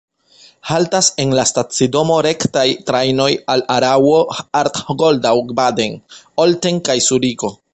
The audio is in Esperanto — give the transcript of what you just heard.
Haltas en la stacidomo rektaj trajnoj al Araŭo, Arth-Goldau, Baden, Olten kaj Zuriko.